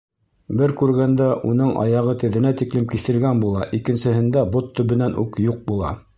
Бер күргәндә уның аяғы теҙенә тиклем киҫелгән була, икенсеһендә бот төбөнән үк юҡ була.